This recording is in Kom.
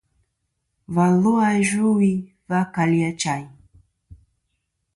Và lu a Yvɨwi va kali Achayn.